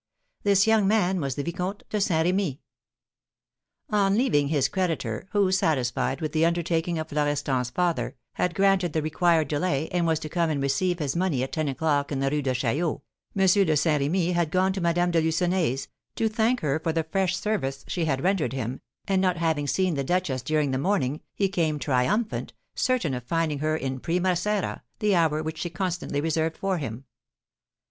This young man was the Vicomte de Saint Remy. On leaving his creditor, who, satisfied with the undertaking of Florestan's father, had granted the required delay, and was to come and receive his money at ten o'clock in the Rue de Chaillot, M. de Saint Remy had gone to Madame de Lucenay's, to thank her for the fresh service she had rendered him, and, not having seen the duchess during the morning, he came triumphant, certain of finding her in prima sera, the hour which she constantly reserved for him.